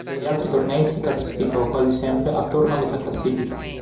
Negli altri tornei si classificò quasi sempre attorno a metà classifica.